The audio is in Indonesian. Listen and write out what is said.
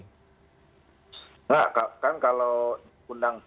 nah kan kalau undang